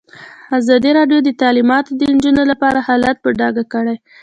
ازادي راډیو د تعلیمات د نجونو لپاره حالت په ډاګه کړی.